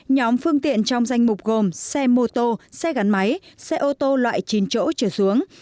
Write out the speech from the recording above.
nhóm phương tiện trong danh mục gồm xe mô tô xe gắn máy xe ô tô loại chín chỗ trở xuống